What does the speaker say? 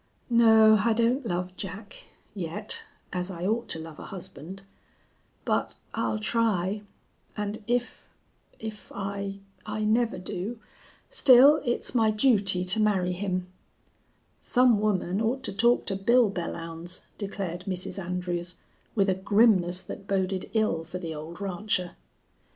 "No, I don't love Jack yet as I ought to love a husband. But I'll try, and if if I I never do still, it's my duty to marry him." "Some woman ought to talk to Bill Belllounds," declared Mrs. Andrews with a grimness that boded ill for the old rancher.